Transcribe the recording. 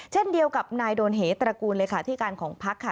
เช่นเดียวกับนายโดนเหตุระกูลเลยค่ะที่การของภักดิ์ค่ะ